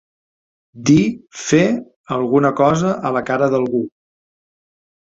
Dir, fer, alguna cosa a la cara d'algú.